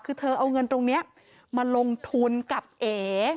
คือเธอเอาเงินตรงนี้มาลงทุนกับเอ